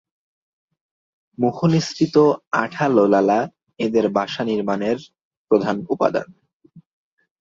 মুখ-নিঃসৃত আঠালো লালা এদের বাসা নির্মাণের প্রধান উপাদান।